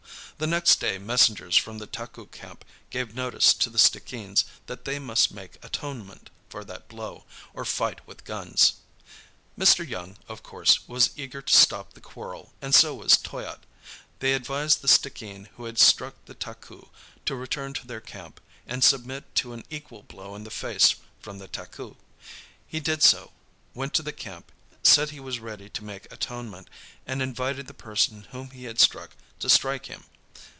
The next day messengers from the Taku camp gave notice to the Stickeens that they must make atonement for that blow, or fight with guns. Mr. Young, of course, was eager to stop the quarrel and so was Toyatte. They advised the Stickeen who had struck the Taku to return to their camp and submit to an equal blow in the face from the Taku. He did so; went to the camp, said he was ready to make atonement, and invited the person whom he had struck to strike him.